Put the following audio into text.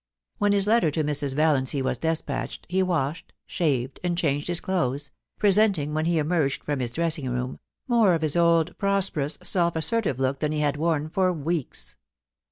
When his letter to Mrs. Valiancy was despatched, he washed, shaved, and changed his clothes, presenting, when he emerged from his dressing room, more of his old, prosperous, self assertive look than he had worn for weeks.